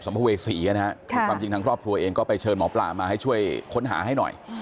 ภเวษีนะฮะความจริงทางครอบครัวเองก็ไปเชิญหมอปลามาให้ช่วยค้นหาให้หน่อย